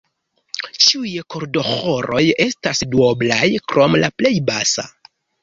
Ĉiuj kordoĥoroj estas duoblaj, krom la plej basa.